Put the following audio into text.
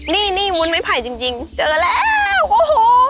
นี่นี่วุ้นไม้ไผ่จริงเจอแล้วโอ้โห